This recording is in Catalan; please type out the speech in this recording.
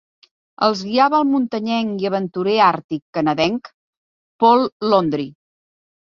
Els guiava el muntanyenc i aventurer àrtic canadenc Paul Landry.